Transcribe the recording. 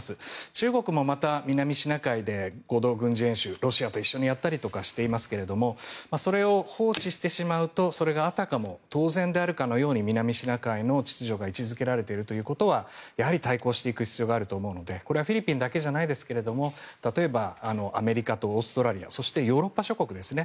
中国もまた南シナ海で合同軍事演習をロシアと一緒にやったりしていますがそれを放置してしまうとそれが、あたかも当然であるかのように南シナ海の秩序が位置付けられているということはやはり対抗していく必要があると思うのでこれはフィリピンだけじゃないですが例えばアメリカとオーストラリアそしてヨーロッパ諸国ですね